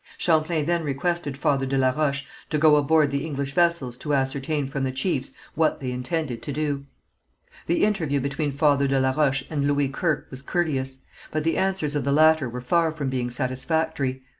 Champlain then requested Father de la Roche to go aboard the English vessels to ascertain from the chiefs what they intended to do. The interview between Father de la Roche and Louis Kirke was courteous, but the answers of the latter were far from being satisfactory.